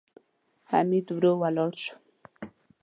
حميد ورو ولاړ شو.